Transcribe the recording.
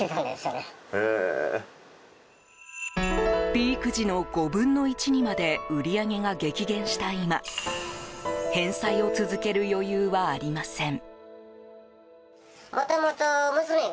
ピーク時の５分の１にまで売り上げが激減した今返済を続ける余裕はありません。